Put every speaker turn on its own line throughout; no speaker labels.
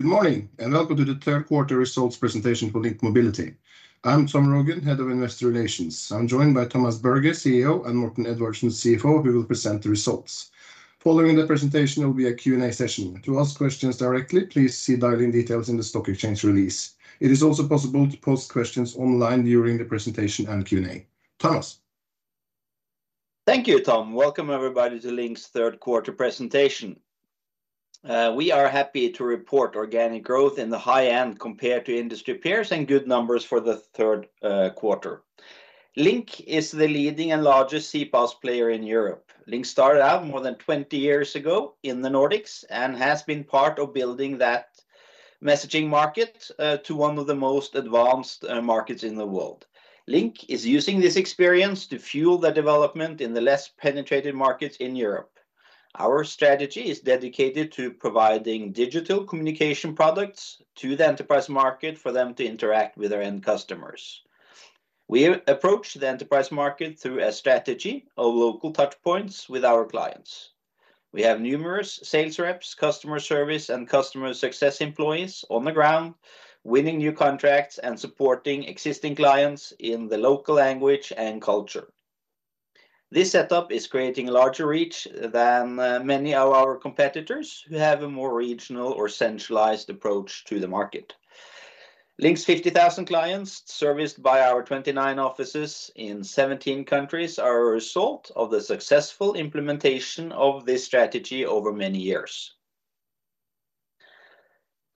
Good morning, and welcome to the third quarter results presentation for LINK Mobility. I'm Tom Rogn, head of Investor Relations. I'm joined by Thomas Berge, CEO, and Morten Edvardsen, CFO, who will present the results. Following the presentation, there will be a Q&A session. To ask questions directly, please see dial-in details in the stock exchange release. It is also possible to post questions online during the presentation and Q&A. Thomas?
Thank you, Tom. Welcome, everybody, to LINK's third quarter presentation. We are happy to report organic growth in the high end compared to industry peers and good numbers for the third quarter. LINK is the leading and largest CPaaS player in Europe. LINK started out more than 20 years ago in the Nordics and has been part of building that messaging market to one of the most advanced markets in the world. LINK is using this experience to fuel the development in the less penetrated markets in Europe. Our strategy is dedicated to providing digital communication products to the enterprise market for them to interact with their end customers. We approach the enterprise market through a strategy of local touchpoints with our clients. We have numerous sales reps, customer service, and customer success employees on the ground, winning new contracts and supporting existing clients in the local language and culture. This setup is creating a larger reach than many of our competitors, who have a more regional or centralized approach to the market. LINK's 50,000 clients, serviced by our 29 offices in 17 countries, are a result of the successful implementation of this strategy over many years.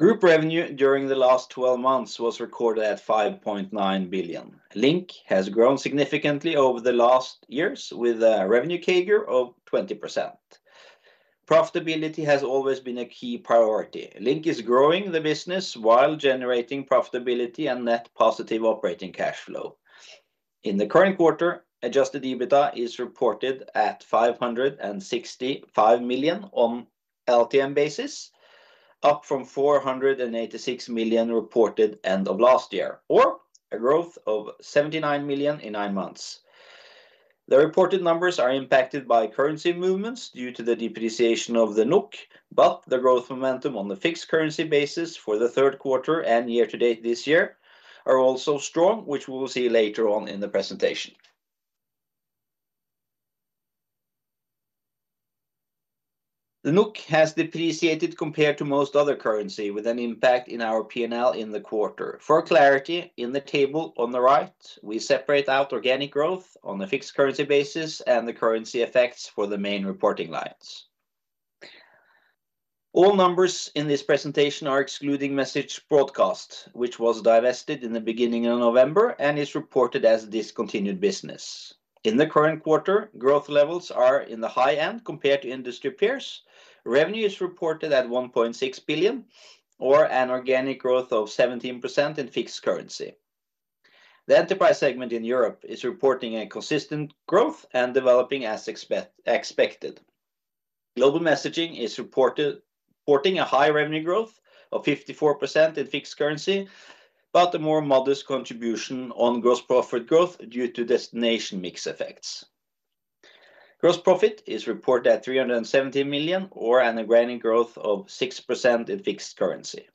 Group revenue during the last 12 months was recorded at 5.9 billion. LINK has grown significantly over the last years with a revenue CAGR of 20%. Profitability has always been a key priority. LINK is growing the business while generating profitability and net positive operating cash flow. In the current quarter, Adjusted EBITDA is reported at 565 million on LTM basis, up from 486 million reported end of last year, or a growth of 79 million in nine months. The reported numbers are impacted by currency movements due to the depreciation of the NOK, but the growth momentum on the fixed currency basis for the third quarter and year-to-date this year are also strong, which we will see later on in the presentation. The NOK has depreciated compared to most other currency, with an impact in our P&L in the quarter. For clarity, in the table on the right, we separate out organic growth on a fixed currency basis and the currency effects for the main reporting lines. All numbers in this presentation are excluding Message Broadcast, which was divested in the beginning of November and is reported as discontinued business. In the current quarter, growth levels are in the high end compared to industry peers. Revenue is reported at 1.6 billion, or an organic growth of 17% in fixed currency. The enterprise segment in Europe is reporting a consistent growth and developing as expected. Global messaging is reporting a high revenue growth of 54% in fixed currency, but a more modest contribution on gross profit growth due to destination mix effects. Gross profit is reported at 370 million, or an organic growth of 6% in fixed currency.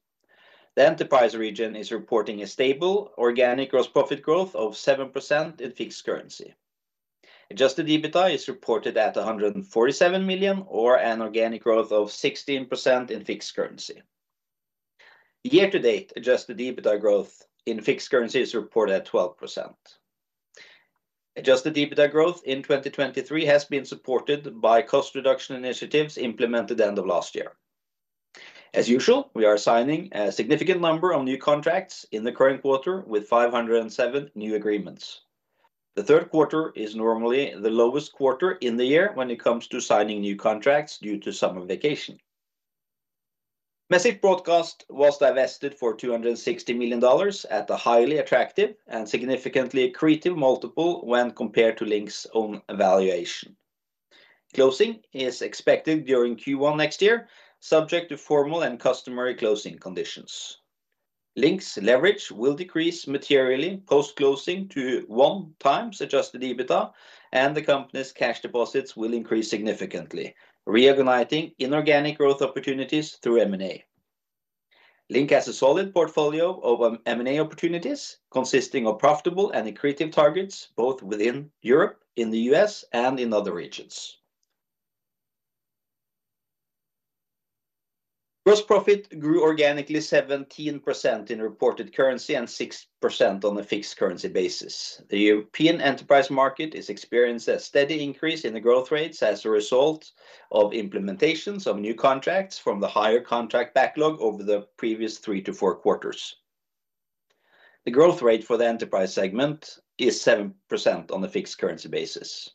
The enterprise region is reporting a stable organic gross profit growth of 7% in fixed currency. Adjusted EBITDA is reported at 147 million, or an organic growth of 16% in fixed currency. Year-to-date adjusted EBITDA growth in fixed currency is reported at 12%. Adjusted EBITDA growth in 2023 has been supported by cost reduction initiatives implemented end of last year. As usual, we are signing a significant number of new contracts in the current quarter with 507 new agreements. The third quarter is normally the lowest quarter in the year when it comes to signing new contracts due to summer vacation. Message Broadcast was divested for $260 million at a highly attractive and significantly accretive multiple when compared to LINK's own valuation. Closing is expected during Q1 next year, subject to formal and customary closing conditions. LINK's leverage will decrease materially post-closing to 1x adjusted EBITDA, and the company's cash deposits will increase significantly, reigniting inorganic growth opportunities through M&A. LINK has a solid portfolio of M&A opportunities, consisting of profitable and accretive targets, both within Europe, in the US, and in other regions. Gross profit grew organically 17% in reported currency and 6% on a fixed currency basis. The European enterprise market is experiencing a steady increase in the growth rates as a result of implementations of new contracts from the higher contract backlog over the previous 3-4 quarters. The growth rate for the enterprise segment is 7% on a fixed currency basis.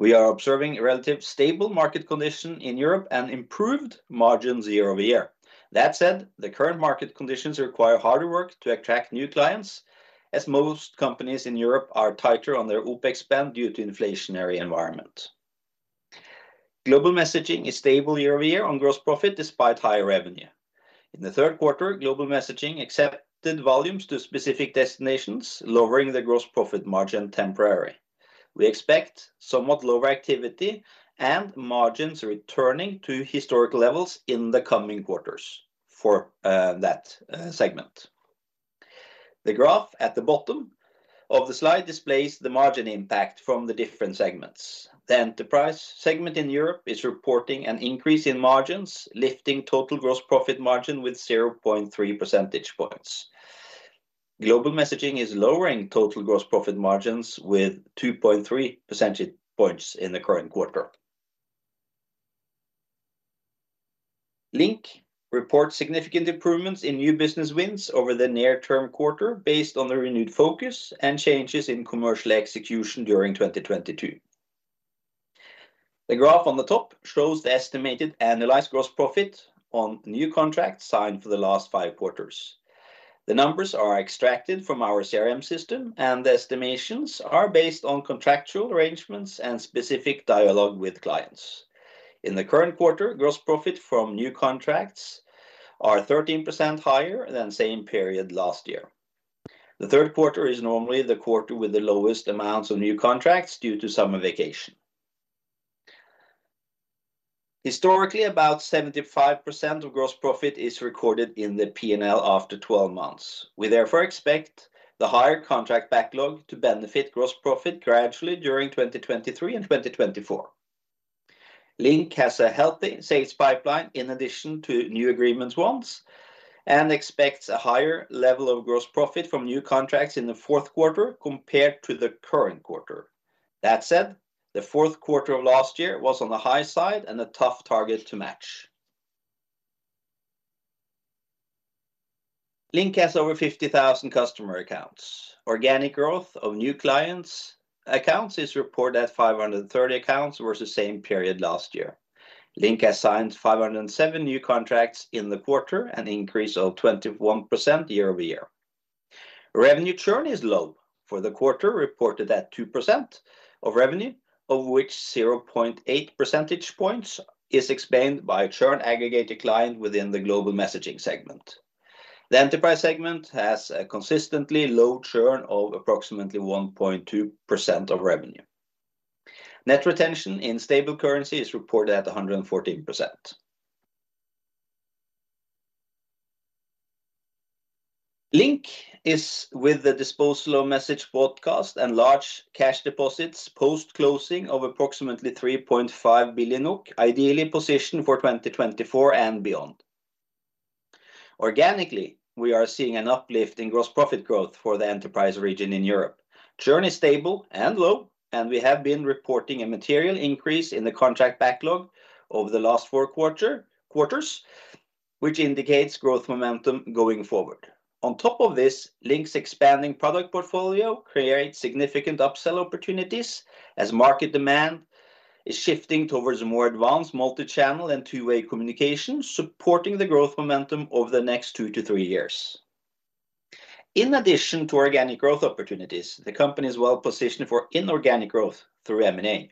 We are observing a relatively stable market condition in Europe and improved margins year-over-year. That said, the current market conditions require harder work to attract new clients, as most companies in Europe are tighter on their OpEx spend due to inflationary environment. Global messaging is stable year-over-year on gross profit, despite higher revenue. In the third quarter, global messaging accepted volumes to specific destinations, lowering the gross profit margin temporarily. We expect somewhat lower activity and margins returning to historic levels in the coming quarters for that segment. The graph at the bottom of the slide displays the margin impact from the different segments. The enterprise segment in Europe is reporting an increase in margins, lifting total gross profit margin with 0.3 percentage points. Global messaging is lowering total gross profit margins with 2.3 percentage points in the current quarter. LINK reports significant improvements in new business wins over the near-term quarter, based on the renewed focus and changes in commercial execution during 2022. The graph on the top shows the estimated analyzed gross profit on new contracts signed for the last five quarters. The numbers are extracted from our CRM system, and the estimations are based on contractual arrangements and specific dialogue with client. In the current quarter, gross profit from new contracts are 13% higher than same period last year. The third quarter is normally the quarter with the lowest amounts of new contracts due to summer vacation. Historically, about 75% of gross profit is recorded in the P&L after 12 months. We therefore expect the higher contract backlog to benefit gross profit gradually during 2023 and 2024. LINK has a healthy sales pipeline in addition to new agreements won, and expects a higher level of gross profit from new contracts in the fourth quarter compared to the current quarter. That said, the fourth quarter of last year was on the high side and a tough target to match. LINK has over 50,000 customer accounts. Organic growth of new clients, accounts is reported at 530 accounts versus same period last year. LINK has signed 507 new contracts in the quarter, an increase of 21% year-over-year. Revenue churn is low, for the quarter reported at 2% of revenue, of which 0.8 percentage points is explained by churn aggregate decline within the global messaging segment. The enterprise segment has a consistently low churn of approximately 1.2% of revenue. Net retention in stable currency is reported at 114%. LINK is, with the disposal of Message Broadcast and large cash deposits, post-closing of approximately 3.5 billion, ideally positioned for 2024 and beyond. Organically, we are seeing an uplift in gross profit growth for the enterprise region in Europe. Churn is stable and low, and we have been reporting a material increase in the contract backlog over the last four quarters, which indicates growth momentum going forward. On top of this, LINK's expanding product portfolio creates significant upsell opportunities as market demand is shifting towards more advanced multi-channel and two-way communication, supporting the growth momentum over the next 2-3 years. In addition to organic growth opportunities, the company is well-positioned for inorganic growth through M&A.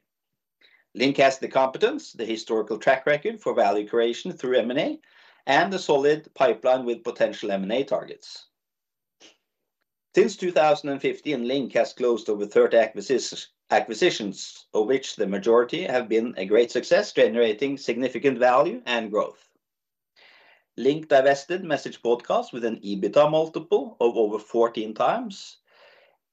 LINK has the competence, the historical track record for value creation through M&A, and a solid pipeline with potential M&A targets. Since 2015, LINK has closed over 30 acquisitions, of which the majority have been a great success, generating significant value and growth. LINK divested Message Broadcast with an EBITDA multiple of over 14x,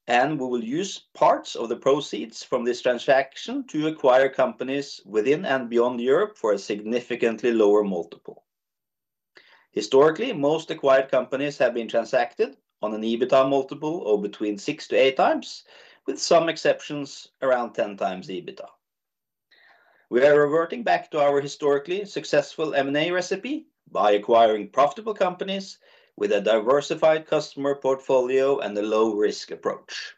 and we will use parts of the proceeds from this transaction to acquire companies within and beyond Europe for a significantly lower multiple. Historically, most acquired companies have been transacted on an EBITDA multiple of between 6-8x, with some exceptions, around 10x EBITDA. We are reverting back to our historically successful M&A recipe by acquiring profitable companies with a diversified customer portfolio and a low-risk approach.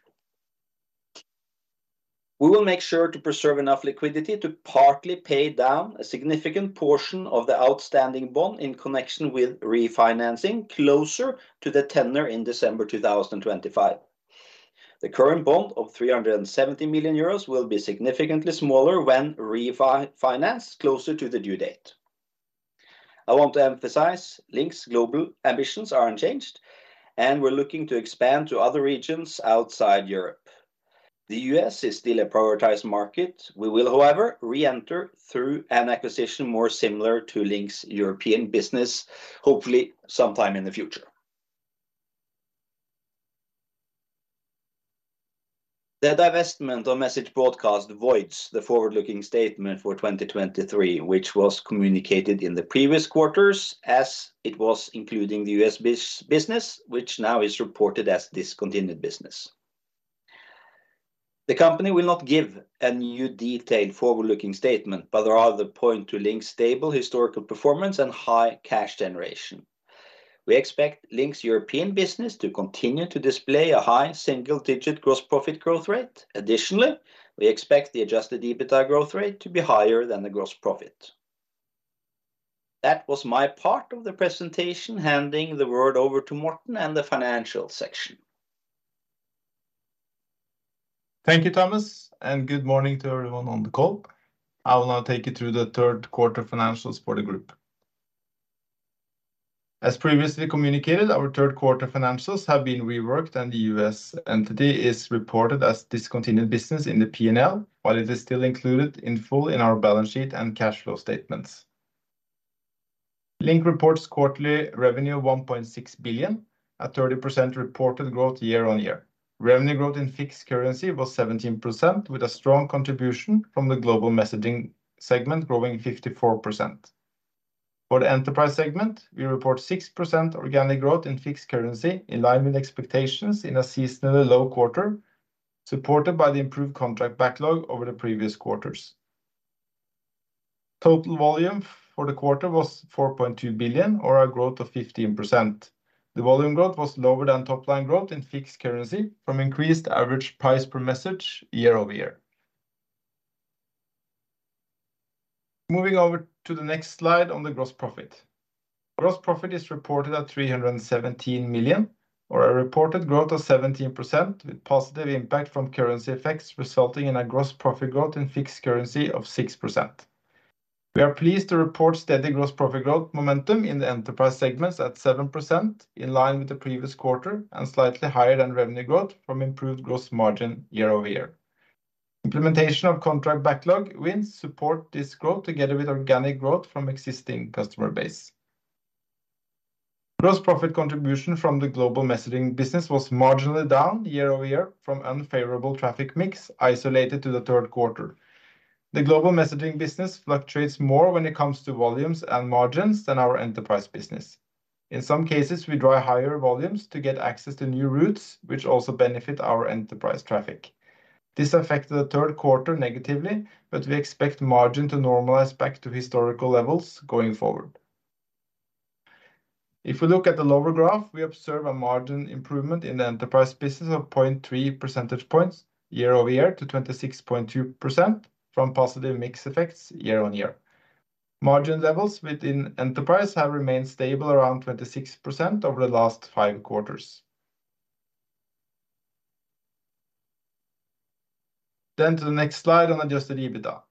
We will make sure to preserve enough liquidity to partly pay down a significant portion of the outstanding bond in connection with refinancing closer to the tender in December 2025. The current bond of 370 million euros will be significantly smaller when refinanced closer to the due date. I want to emphasize LINK's global ambitions are unchanged, and we're looking to expand to other regions outside Europe. The US is still a prioritized market. We will, however, reenter through an acquisition more similar to LINK's European business, hopefully sometime in the future. The divestment on Message Broadcast voids the forward-looking statement for 2023, which was communicated in the previous quarters, as it was including the US business, which now is reported as discontinued business. The company will not give a new detailed forward-looking statement, but rather point to LINK's stable historical performance and high cash generation. We expect LINK's European business to continue to display a high single-digit gross profit growth rate. Additionally, we expect the Adjusted EBITDA growth rate to be higher than the gross profit. That was my part of the presentation, handing the word over to Morten and the financial section.
Thank you, Thomas, and good morning to everyone on the call. I will now take you through the third quarter financials for the group. As previously communicated, our third quarter financials have been reworked, and the U.S. entity is reported as discontinued business in the P&L, while it is still included in full in our balance sheet and cash flow statements. LINK reports quarterly revenue of 1.6 billion, at 30% reported growth year-on-year. Revenue growth in fixed currency was 17%, with a strong contribution from the global messaging segment, growing 54%. For the enterprise segment, we report 6% organic growth in fixed currency, in line with expectations in a seasonally low quarter, supported by the improved contract backlog over the previous quarters. Total volume for the quarter was 4.2 billion, or a growth of 15%. The volume growth was lower than top-line growth in fixed currency from increased average price per message year-over-year. Moving over to the next slide on the gross profit. Gross profit is reported at 317 million, or a reported growth of 17%, with positive impact from currency effects, resulting in a gross profit growth in fixed currency of 6%. We are pleased to report steady gross profit growth momentum in the enterprise segments at 7%, in line with the previous quarter and slightly higher than revenue growth from improved gross margin year-over-year. Implementation of contract backlog wins support this growth together with organic growth from existing customer base. Gross profit contribution from the global messaging business was marginally down year-over-year from unfavorable traffic mix isolated to the third quarter. The global messaging business fluctuates more when it comes to volumes and margins than our enterprise business. In some cases, we drive higher volumes to get access to new routes, which also benefit our enterprise traffic. This affected the third quarter negatively, but we expect margin to normalize back to historical levels going forward. If we look at the lower graph, we observe a margin improvement in the enterprise business of 0.3 percentage points year-over-year to 26.2% from positive mix effects year on year. Margin levels within enterprise have remained stable around 26% over the last five quarters. Then to the next slide on Adjusted EBITDA.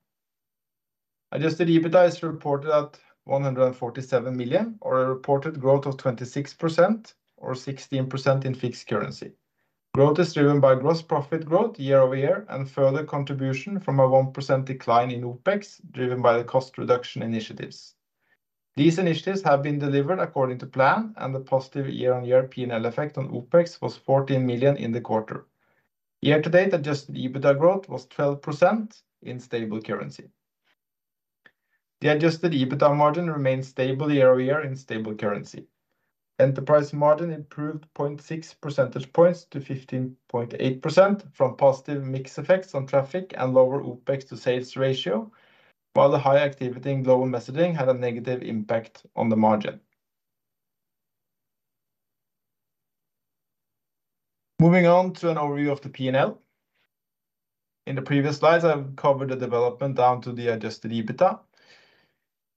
Adjusted EBITDA is reported at 147 million, or a reported growth of 26%, or 16% in fixed currency. Growth is driven by gross profit growth year-over-year and further contribution from a 1% decline in OpEx, driven by the cost reduction initiatives. These initiatives have been delivered according to plan, and the positive year-over-year P&L effect on OpEx was 14 million in the quarter. Year-to-date, Adjusted EBITDA growth was 12% in stable currency. The Adjusted EBITDA margin remained stable year-over-year in stable currency. Enterprise margin improved 0.6 percentage points to 15.8% from positive mix effects on traffic and lower OpEx to sales ratio, while the high activity in global messaging had a negative impact on the margin. Moving on to an overview of the P&L. In the previous slides, I've covered the development down to the Adjusted EBITDA.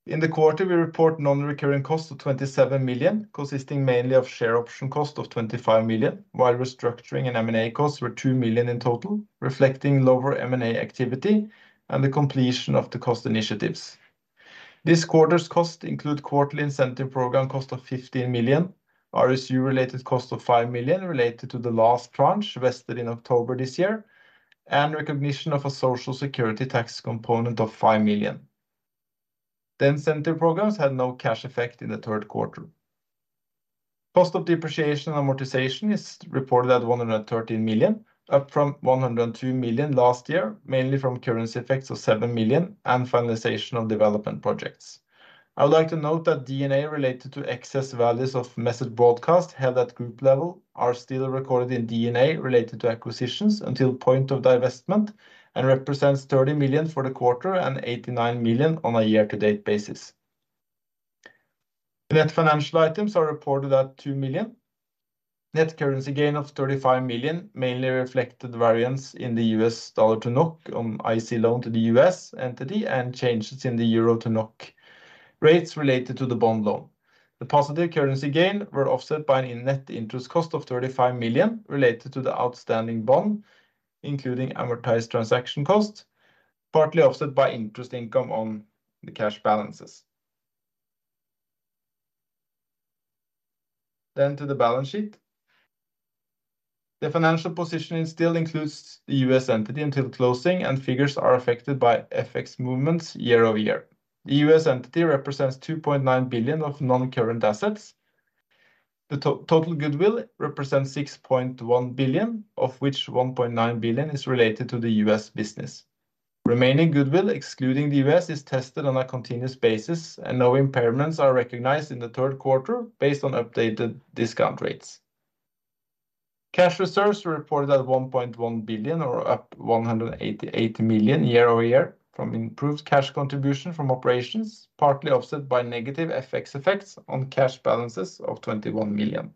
In the quarter, we report non-recurring costs of 27 million, consisting mainly of share option cost of 25 million, while restructuring and M&A costs were 2 million in total, reflecting lower M&A activity and the completion of the cost initiatives. This quarter's costs include quarterly incentive program cost of 15 million, RSU-related cost of 5 million related to the last tranche vested in October this year, and recognition of a social security tax component of 5 million. The incentive programs had no cash effect in the third quarter. Cost of depreciation and amortization is reported at 113 million, up from 102 million last year, mainly from currency effects of 7 million and finalization of development projects. I would like to note that D&A related to excess values of Message Broadcast held at group level are still recorded in D&A related to acquisitions until point of divestment, and represents 30 million for the quarter and 89 million on a year-to-date basis. Net financial items are reported at 2 million. Net currency gain of 35 million, mainly reflected variance in the U.S. dollar to NOK on IC loan to the U.S. entity and changes in the euro to NOK. Rates related to the bond loan. The positive currency gain were offset by a net interest cost of 35 million related to the outstanding bond, including amortized transaction costs, partly offset by interest income on the cash balances. Then to the balance sheet. The financial positioning still includes the U.S. entity until closing, and figures are affected by FX movements year-over-year. The US entity represents 2.9 billion of non-current assets. The total goodwill represents 6.1 billion, of which 1.9 billion is related to the US business. Remaining goodwill, excluding the US, is tested on a continuous basis, and no impairments are recognized in the third quarter based on updated discount rates. Cash reserves were reported at 1.1 billion or up 188 million year-over-year from improved cash contribution from operations, partly offset by negative FX effects on cash balances of 21 million.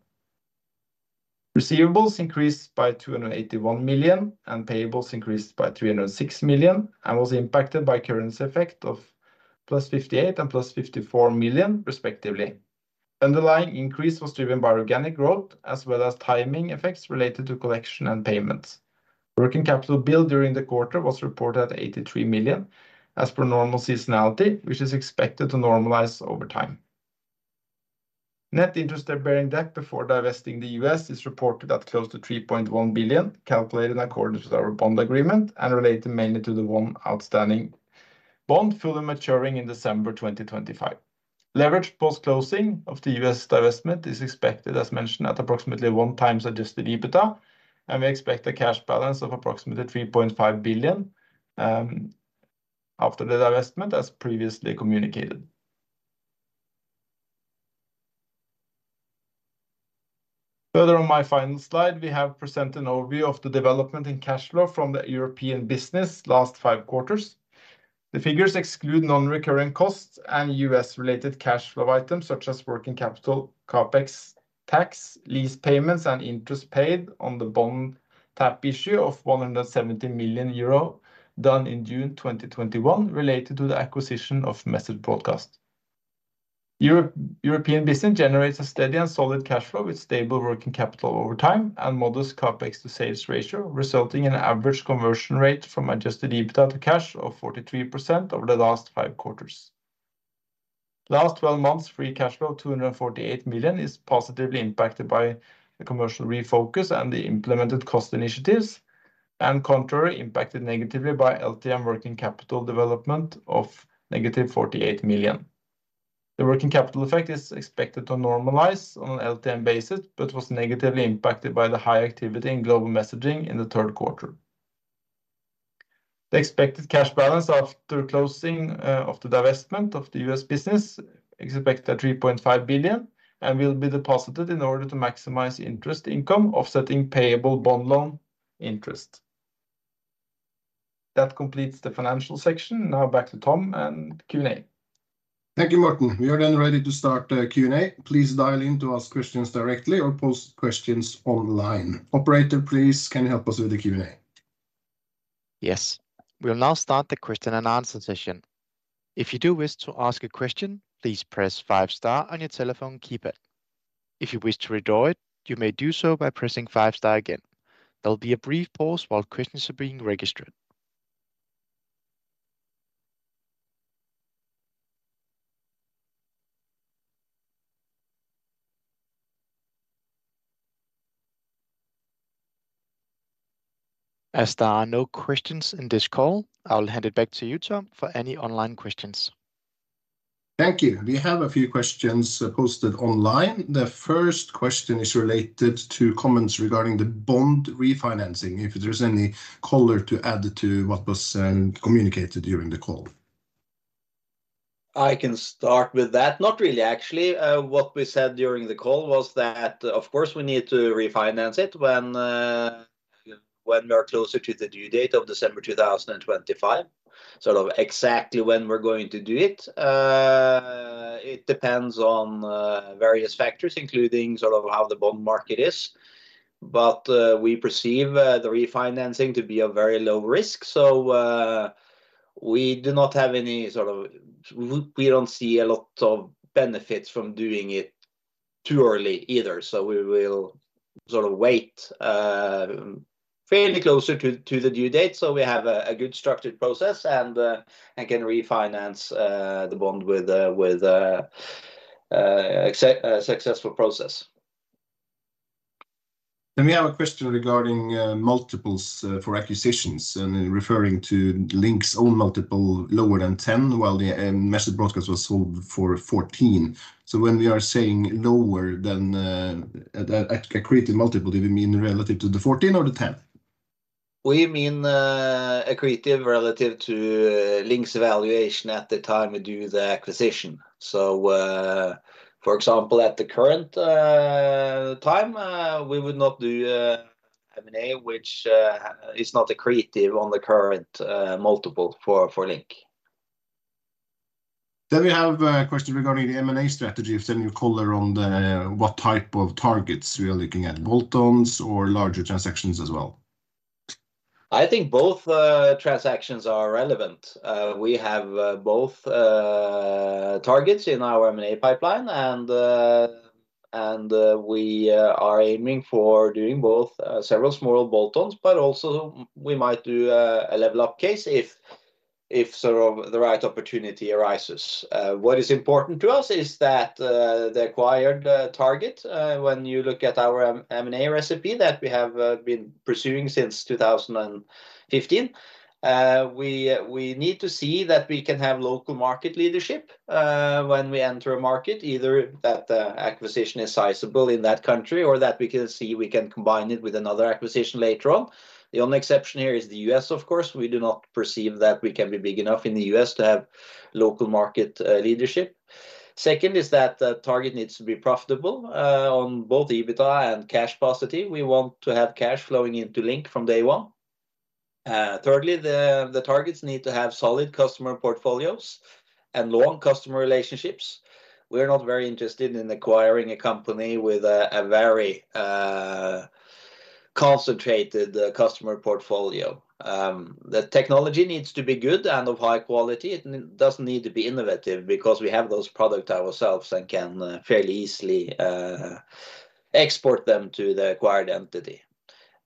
Receivables increased by 281 million, and payables increased by 306 million, and was impacted by currency effect of +58 million and +54 million respectively. Underlying increase was driven by organic growth as well as timing effects related to collection and payments. Working capital build during the quarter was reported at 83 million, as per normal seasonality, which is expected to normalize over time. Net interest-bearing debt before divesting the US is reported at close to 3.1 billion, calculated in accordance with our bond agreement and related mainly to the one outstanding bond, fully maturing in December 2025. Leverage post-closing of the US divestment is expected, as mentioned, at approximately 1x adjusted EBITDA, and we expect a cash balance of approximately 3.5 billion after the divestment, as previously communicated. Further, on my final slide, we have presented an overview of the development in cash flow from the European business last five quarters. The figures exclude non-recurring costs and US-related cash flow items such as working capital, CapEx, tax, lease payments, and interest paid on the bond tap issue of 170 million euro, done in June 2021, related to the acquisition of Message Broadcast. European business generates a steady and solid cash flow, with stable working capital over time and modest CapEx to sales ratio, resulting in an average conversion rate from adjusted EBITDA to cash of 43% over the last five quarters. The last 12 months, free cash flow, 248 million, is positively impacted by the commercial refocus and the implemented cost initiatives, and contrary, impacted negatively by LTM working capital development of -48 million. The working capital effect is expected to normalize on an LTM basis, but was negatively impacted by the high activity in global messaging in the third quarter. The expected cash balance after closing of the divestment of the U.S. business, expect 3.5 billion, and will be deposited in order to maximize interest income, offsetting payable bond loan interest. That completes the financial section. Now back to Tom and Q&A.
Thank you, Morten. We are then ready to start the Q&A. Please dial in to ask questions directly or post questions online. Operator, please, can you help us with the Q&A?
Yes. We'll now start the question and answer session. If you do wish to ask a question, please press five star on your telephone keypad. If you wish to withdraw it, you may do so by pressing five star again. There'll be a brief pause while questions are being registered. As there are no questions in this call, I'll hand it back to you, Tom, for any online questions.
Thank you. We have a few questions, posted online. The first question is related to comments regarding the bond refinancing, if there's any color to add to what was communicated during the call.
I can start with that. Not really, actually. What we said during the call was that, of course, we need to refinance it when, when we are closer to the due date of December 2025. Sort of exactly when we're going to do it, it depends on, various factors, including sort of how the bond market is. But, we perceive, the refinancing to be a very low risk, so, we do not have any sort of. We don't see a lot of benefits from doing it too early either, so we will sort of wait, fairly closer to, to the due date, so we have a, a good structured process and, and can refinance, the bond with a, with a, successful process.
Then we have a question regarding multiples for acquisitions and referring to LINK's own multiple, lower than 10, while the Message Broadcast was sold for 14. So when we are saying lower than accretive multiple, do we mean relative to the 14 or the 10?
We mean, accretive relative to LINK's valuation at the time we do the acquisition. So, for example, at the current time, we would not do M&A, which is not accretive on the current multiple for LINK.
We have a question regarding the M&A strategy. If any color on what type of targets we are looking at, bolt-ons or larger transactions as well?
I think both transactions are relevant. We have both targets in our M&A pipeline, and we are aiming for doing both several small bolt-ons, but also we might do a level up case if sort of the right opportunity arises. What is important to us is that the acquired target, when you look at our M&A recipe that we have been pursuing since 2015, we need to see that we can have local market leadership, when we enter a market, either that the acquisition is sizable in that country or that we can see we can combine it with another acquisition later on. The only exception here is the U.S., of course. We do not perceive that we can be big enough in the U.S. to have local market leadership. Second is that the target needs to be profitable on both EBITDA and cash positive. We want to have cash flowing into LINK from day one. Thirdly, the targets need to have solid customer portfolios and long customer relationships. We're not very interested in acquiring a company with a very concentrated customer portfolio. The technology needs to be good and of high quality. It doesn't need to be innovative, because we have those products ourselves and can fairly easily export them to the acquired entity.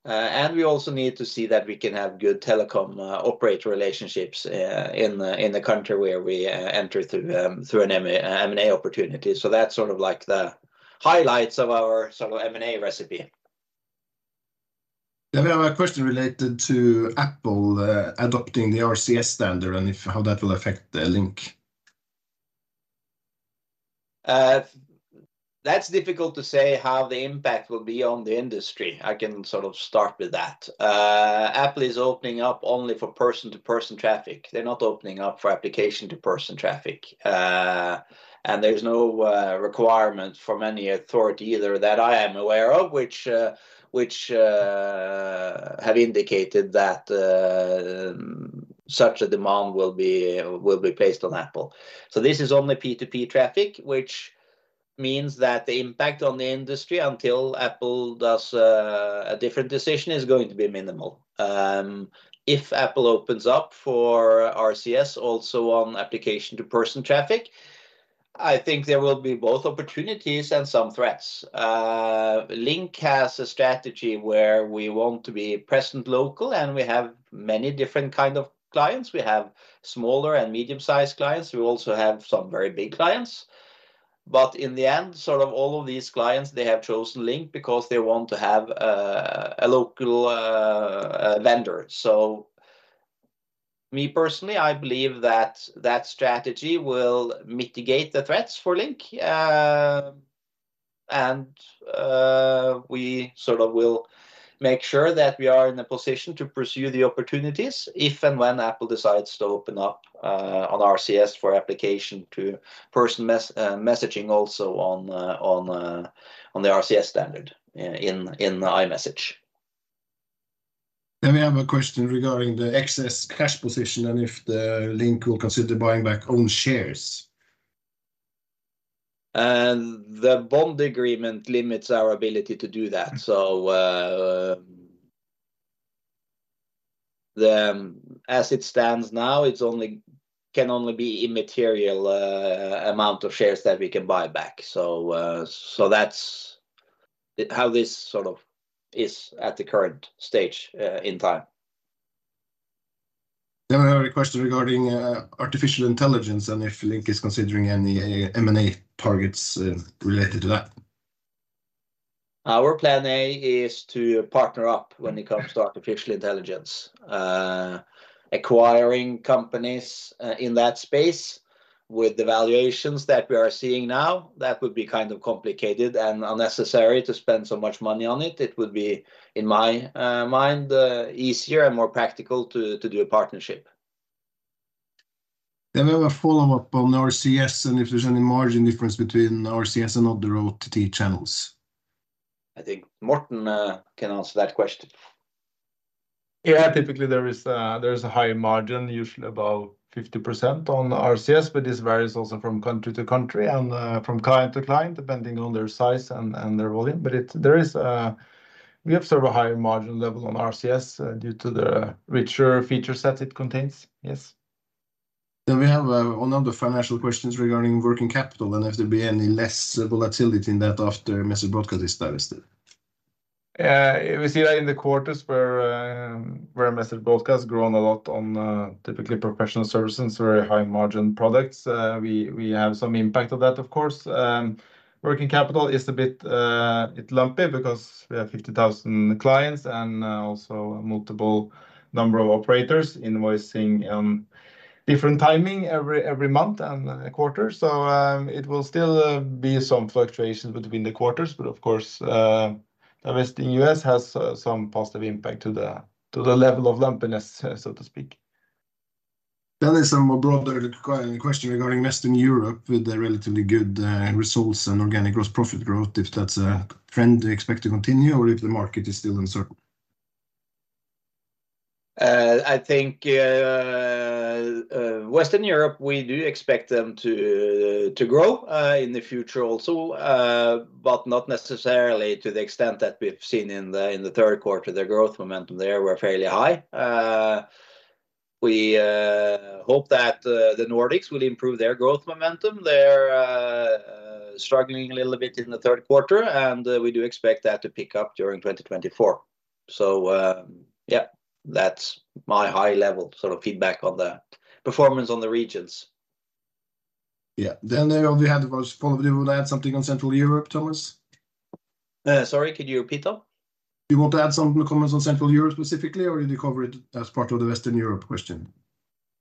And we also need to see that we can have good telecom operator relationships in the country where we enter through an M&A opportunity. That's sort of like the highlights of our sort of M&A recipe.
Then we have a question related to Apple adopting the RCS standard, and if, how that will affect the LINK.
That's difficult to say how the impact will be on the industry. I can sort of start with that. Apple is opening up only for person-to-person traffic. They're not opening up for application-to-person traffic. There's no requirement from any authority either that I am aware of, which have indicated that such a demand will be placed on Apple. So this is only P2P traffic, which means that the impact on the industry, until Apple does a different decision, is going to be minimal. If Apple opens up for RCS, also on application-to-person traffic, I think there will be both opportunities and some threats. LINK has a strategy where we want to be present local, and we have many different kind of clients. We have smaller and medium-sized clients. We also have some very big clients, but in the end, sort of all of these clients, they have chosen LINK because they want to have a local vendor. So me, personally, I believe that that strategy will mitigate the threats for LINK. We sort of will make sure that we are in a position to pursue the opportunities if and when Apple decides to open up on RCS for application-to-person messaging, also on the RCS standard in iMessage.
We have a question regarding the excess cash position, and if LINK will consider buying back own shares.
The bond agreement limits our ability to do that. So, as it stands now, it can only be an immaterial amount of shares that we can buy back. So, that's how this sort of is at the current stage in time.
Then we have a question regarding artificial intelligence, and if LINK is considering any M&A targets related to that?
Our plan A is to partner up when it comes to artificial intelligence. Acquiring companies in that space with the valuations that we are seeing now, that would be kind of complicated and unnecessary to spend so much money on it. It would be, in my mind, easier and more practical to do a partnership.
We have a follow-up on RCS, and if there's any margin difference between RCS and other OTT channels.
I think Morten can answer that question.
Yeah, typically there is a high margin, usually about 50% on RCS, but this varies also from country to country and from client to client, depending on their size and their volume. But there is, we observe a higher margin level on RCS due to the richer feature set it contains. Yes.
Then we have another financial questions regarding working capital, and if there'll be any less volatility in that after Message Broadcast is divested.
Yeah, we see that in the quarters where Message Broadcast has grown a lot on typically professional services, very high-margin products. We have some impact of that, of course. Working capital is a bit lumpy because we have 50,000 clients and also a multiple number of operators invoicing different timing every month and quarter. So, it will still be some fluctuations between the quarters, but of course, the rest in US has some positive impact to the level of lumpiness, so to speak.
Then there's some broader question regarding Western Europe with the relatively good results and organic gross profit growth, if that's a trend we expect to continue, or if the market is still uncertain.
I think, Western Europe, we do expect them to grow in the future also, but not necessarily to the extent that we've seen in the third quarter. The growth momentum there were fairly high. We hope that the Nordics will improve their growth momentum. They're struggling a little bit in the third quarter, and we do expect that to pick up during 2024. So, yeah, that's my high-level sort of feedback on the performance on the regions.
Yeah. Then on the other hand, probably you would add something on Central Europe, Thomas?
Sorry, could you repeat that?
You want to add some comments on Central Europe specifically, or you covered it as part of the Western Europe question?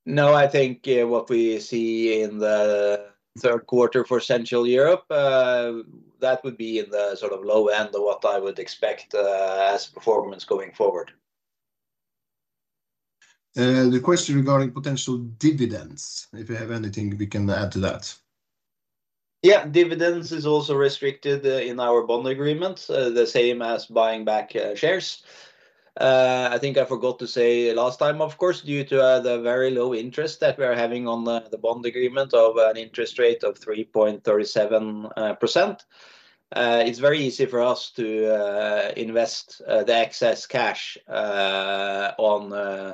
No, I think, what we see in the third quarter for Central Europe, that would be in the sort of low end of what I would expect, as performance going forward.
The question regarding potential dividends, if you have anything we can add to that.
Yeah, dividends is also restricted in our bond agreement, the same as buying back shares. I think I forgot to say last time, of course, due to the very low interest that we are having on the bond agreement of an interest rate of 3.37%, it's very easy for us to invest the excess cash on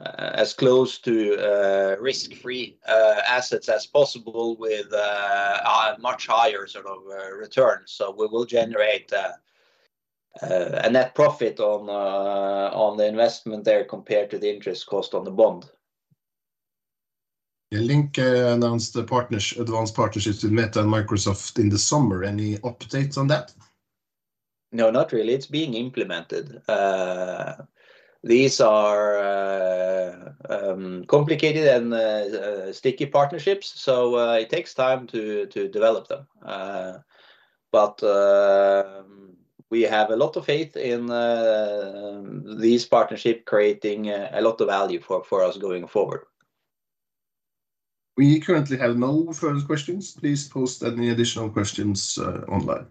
as close to risk-free assets as possible with a much higher sort of return. So we will generate a net profit on the investment there, compared to the interest cost on the bond.
LINK announced advanced partnerships with Meta and Microsoft in the summer. Any updates on that?
No, not really. It's being implemented. These are complicated and sticky partnerships, so it takes time to develop them. But we have a lot of faith in these partnership creating a lot of value for us going forward.
We currently have no further questions. Please post any additional questions, online.